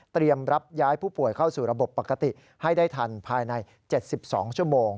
รับย้ายผู้ป่วยเข้าสู่ระบบปกติให้ได้ทันภายใน๗๒ชั่วโมง